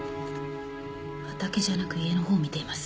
畑じゃなく家のほうを見ています。